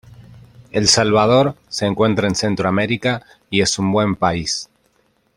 El Salvador se encuentra en centromerica y es un buen país.